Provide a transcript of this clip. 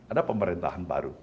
ada pemerintahan baru